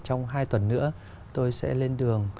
trong hai tuần nữa tôi sẽ lên đường